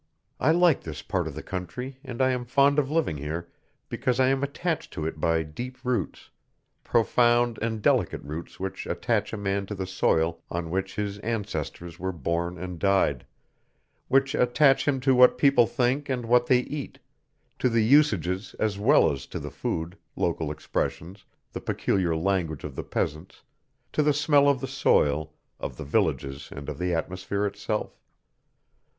I like this part of the country and I am fond of living here because I am attached to it by deep roots, profound and delicate roots which attach a man to the soil on which his ancestors were born and died, which attach him to what people think and what they eat, to the usages as well as to the food, local expressions, the peculiar language of the peasants, to the smell of the soil, of the villages and of the atmosphere itself.